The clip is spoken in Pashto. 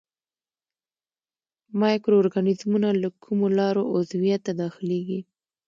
مایکرو ارګانیزمونه له کومو لارو عضویت ته داخليږي.